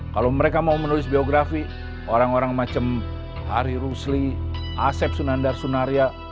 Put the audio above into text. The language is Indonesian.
kalau mereka mau menulis biografi orang orang macam hari rusli asep sunandar sunaria